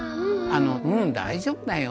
「うん大丈夫だよ」